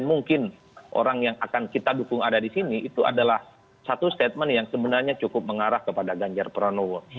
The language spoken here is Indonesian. dan mungkin orang yang akan kita dukung ada di sini itu adalah satu statement yang sebenarnya cukup mengarah kepada ganjar pranowo